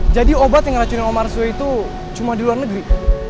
jadi obat yang ngeracunin omar zuhay itu cuma di luar negeri